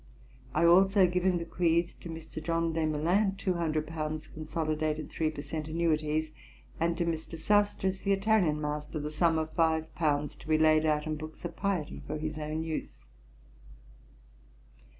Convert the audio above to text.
I also give and bequeath to Mr. John Desmoulins [F 6], two hundred pounds consolidated three per cent, annuities: and to Mr. Sastres, the Italian master [F 7], the sum of five pounds, to be laid out in books of piety for his own use.